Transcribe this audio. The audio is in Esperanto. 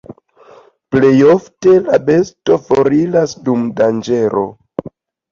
Plejofte la besto foriras dum danĝero.